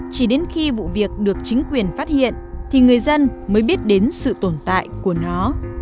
chỉ đến khi vụ việc được chính quyền phát hiện thì người dân mới biết đến sự tồn tại của nó